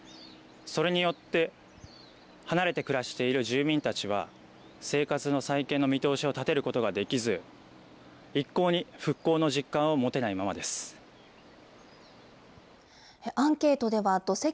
それによって離れて暮らしている住民たちは、生活の再建の見通しを立てることができず、一向に復興の実感を持てないままです。